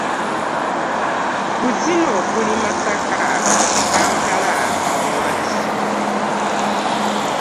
Ku zono okuli; Masaka, Kampala ne Wakiso